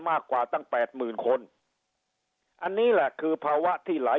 มากกว่าตั้งแปดหมื่นคนอันนี้แหละคือภาวะที่หลาย